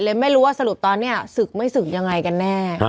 ไม่รู้ว่าสรุปตอนนี้ศึกไม่ศึกยังไงกันแน่